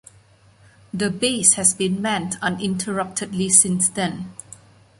The base has been manned uninterruptedly since then.